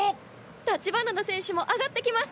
橘田選手も上がってきます！